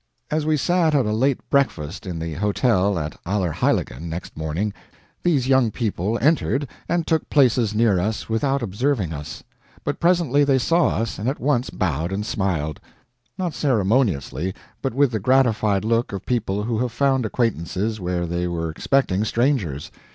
As we sat at a late breakfast in the hotel at Allerheiligen, next morning, these young people entered and took places near us without observing us; but presently they saw us and at once bowed and smiled; not ceremoniously, but with the gratified look of people who have found acquaintances where they were expecting strangers.